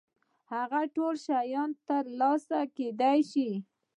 هغه ټول شيان تر لاسه کېدای شي.